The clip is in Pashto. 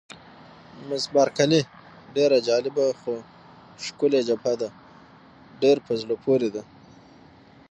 مس بارکلي: ډېره جالبه، خو ښکلې جبهه ده، ډېره په زړه پورې ده.